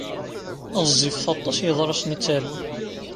Ɣezzifit aṭas yeḍrisen i ttarun.